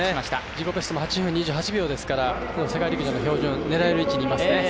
自己ベスト８分２８秒ですから世界陸上参加標準記録を狙える位置にいますね。